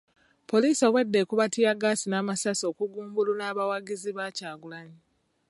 Poliisi obwedda ekuba ttiyaggaasi n'amasasi okugumbulula abawagizi ba Kyagulanyi.